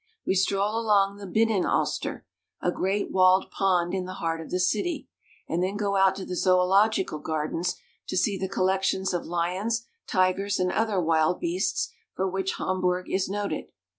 We stroll along the Binnen Alster, a great walled pond in the heart of the city, and then go out to the zoological gardens to see the collections of lions, tigers, and other wild beasts for which Hamburg is noted.